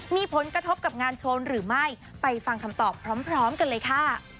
มีผลกระทบกับงานโชว์หรือไม่ไปฟังคำตอบพร้อมกันเลยค่ะ